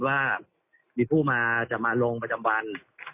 ว่ามีผู้มาจะมาลงประจำวัน